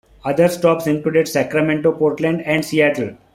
Other stops included Sacramento, Portland, and Seattle.